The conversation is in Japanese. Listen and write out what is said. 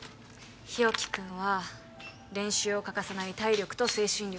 日沖君は練習を欠かさない体力と精神力